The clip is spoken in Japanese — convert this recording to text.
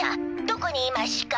どこにいましゅか？」。